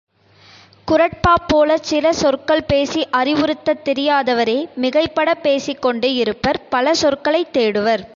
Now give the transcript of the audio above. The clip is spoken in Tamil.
குறட்பாப் போலச் சில சொற்கள் பேசி அறிவுறுத்தத் தெரியாதவரே மிகைபடப் பேசிக்கொண்டு இருப்பர் பல சொற்களைத் தேடுவர்.